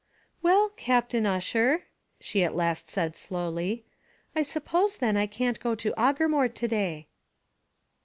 "Well, Captain Ussher," she at last said slowly, "I suppose then I can't go to Aughermore to day."